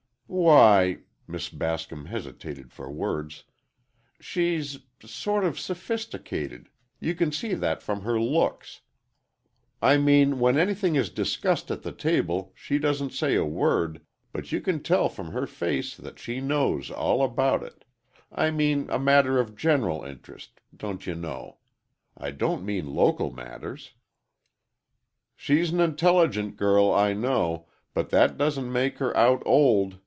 "Why," Miss Bascom hesitated for words, "she's—sort of sophisticated—you can see that from her looks. I mean when anything is discussed at the table, she doesn't say a word, but you can tell from her face that she knows all about it—I mean a matter of general interest, don't you know. I don't mean local matters." "She's an intelligent girl, I know, but that doesn't make her out old.